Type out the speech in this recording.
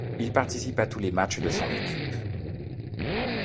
Il participe à tous les matchs de son équipe.